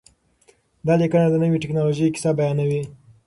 دا لیکنه د نوې ټکنالوژۍ کیسه بیانوي.